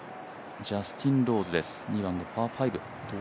ジャスティン・ローズです、２番のパー５。